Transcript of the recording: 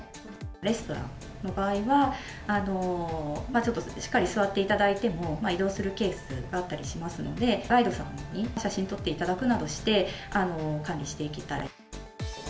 レストランの場合は、ちょっとしっかり座っていただいても、移動するケースがあったりしますので、ガイドさんに写真撮っていただくなどして、管理していけたら。